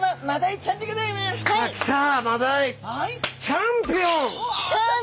チャンピオン！